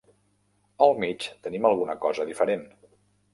Al mig tenim alguna cosa diferent.